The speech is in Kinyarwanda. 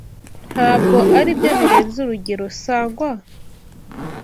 Ntabwo aribyo birenze urugero, Sangwa?